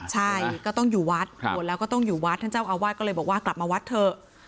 ใช่ก็ต้องอยู่วัดบวชแล้วก็ต้องอยู่วัดท่านเจ้าอาวาสก็เลยบอกว่ากลับมาวัดเถอะ